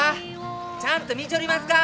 ちゃんと見ちょりますか！？